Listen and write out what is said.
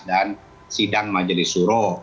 dan sidang majelis uroh